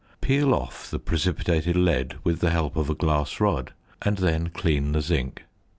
Peel off the precipitated lead with the help of a glass rod, and then clean the zinc.